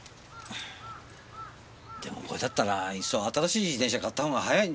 でもこれだったらいっそ新しい自転車買った方が早い。